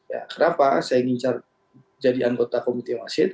ya kenapa saya ngincar jadi anggota komite masyid